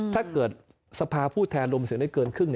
ถ้าเกิดสภาผู้แทนลมเสียงได้เกินครึ่ง